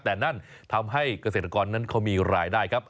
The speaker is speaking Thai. แต่นั่นทำให้เกษตรกรนั้นเขามีรายได้ครับ